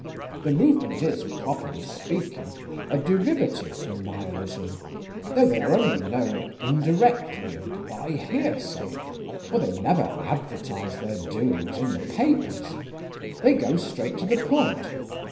The movement is, properly speaking, a derivative from Nihilism—though they are only known indirectly, and by hearsay, for they never advertise their doings in the papers. They go straight to the point.